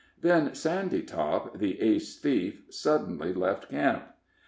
Then Sandytop, the ace thief, suddenly left camp.